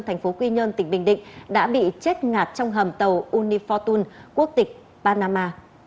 thành phố quy nhơn tỉnh bình định đã bị chết ngạt trong hầm tàu unifotun quốc tịch panama